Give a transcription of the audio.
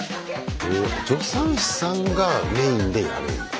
助産師さんがメインでやるんだ。